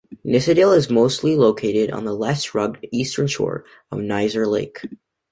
Nissedal is mostly located on the less rugged eastern shore of Nisser Lake.